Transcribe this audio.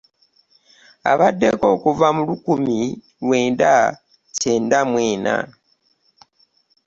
Abaddeko okuva mu lukumi lwenda kyenda mu ena